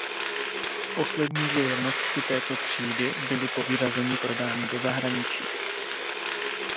Poslední dvě jednotky této třídy byly po vyřazení prodány do zahraničí.